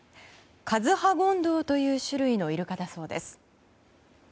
カズハゴンドウという種類のイルカだそうです。